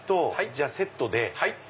じゃあセットで。